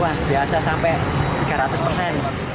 wah biasa sampai tiga ratus persen